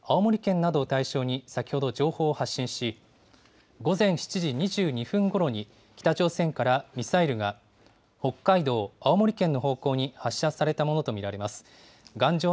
・全国瞬時警報システムで、青森県などを対象に先ほど情報を発信し、午前７時２２分ごろに北朝鮮からミサイルが北海道、青森県の方向に発射されたものと見られます。